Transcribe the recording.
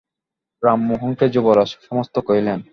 রামমোহনকে যুবরাজ সমস্ত কহিলেন।